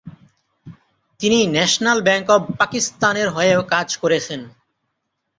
তিনি national bank of পাকিস্তানের হয়েও কাজ করেছেন।